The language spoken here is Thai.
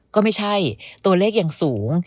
ก็ไม่ใช่ตัวเลขยังสูง